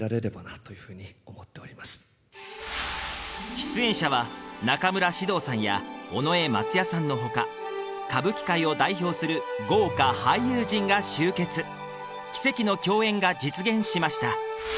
出演者は中村獅童さんや尾上松也さんの他歌舞伎界を代表する豪華俳優陣が集結奇跡の共演が実現しました